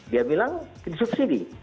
dia bilang disubsidi